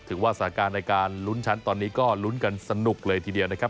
ถือว่าสถานการณ์ในการลุ้นชั้นตอนนี้ก็ลุ้นกันสนุกเลยทีเดียวนะครับ